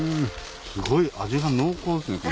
すごい味が濃厚ですね。